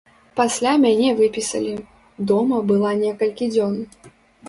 Пасля мяне выпісалі, дома была некалькі дзён.